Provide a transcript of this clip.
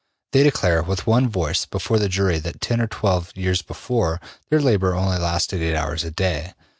They declare with one voice before the jury that ten or twelve years before, their labor only lasted eight hours a day.